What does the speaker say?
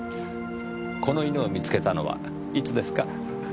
この犬を見つけたのはいつですか？